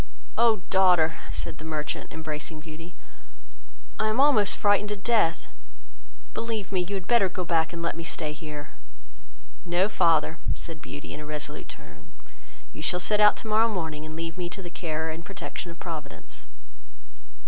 "Oh, daughter, (said the merchant, embracing Beauty,) I am almost frightened to death; believe me, you had better go back, and let me stay here." "No, father, (said Beauty, in a resolute tone,) you shall set out tomorrow morning, and leave me to the care and protection of Providence."